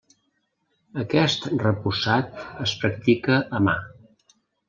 Aquest repussat es practica a mà.